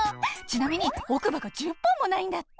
ちなみに奥歯が１０本もないんだって！